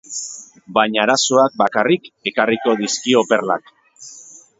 Baina arazoak bakarrik ekarriko dizkio perlak.